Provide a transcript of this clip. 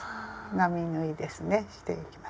並縫いですねしていきます。